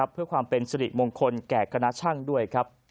เพื่อความเป็นสิริมงคลแก่คณะช่างด้วยครับ